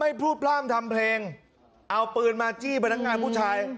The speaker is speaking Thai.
พูดพร่ามทำเพลงเอาปืนมาจี้พนักงานผู้ชาย